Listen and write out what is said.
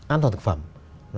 an toàn thực phẩm